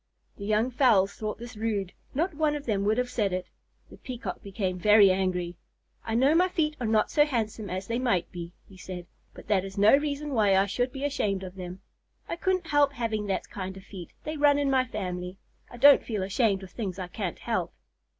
The young fowls thought this rude. Not one of them would have said it. The Peacock became very angry. "I know my feet are not so handsome as they might be," he said, "but that is no reason why I should be ashamed of them. I couldn't help having that kind of feet. They run in my family. I don't feel ashamed of things I can't help."